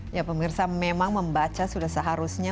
ya pemirsa memang membaca sudah seharusnya